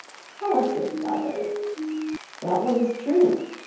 "Tell us another." "That one is true.